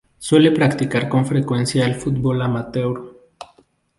Suele practicar con frecuencia el fútbol amateur.